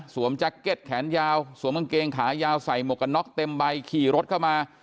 แจ็คเก็ตแขนยาวสวมกางเกงขายาวใส่หมวกกันน็อกเต็มใบขี่รถเข้ามา